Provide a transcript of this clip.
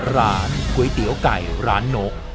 ร้านก๋วยเตี๋ยวไก่ร้านนก